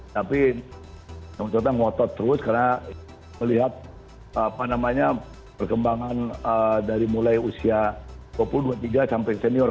tapi saya menurut saya mengotot terus karena melihat apa namanya perkembangan dari mulai usia dua puluh ke dua puluh tiga sampai senior